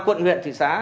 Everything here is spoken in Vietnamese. quận huyện thị xã